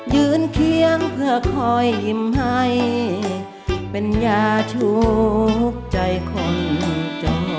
ยืนเคียงเพื่อคอยยิ้มให้เป็นยาทุกข์ใจคนจอ